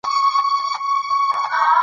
په دې یونلیک کې لیکوال د خپل ژوند تېرې.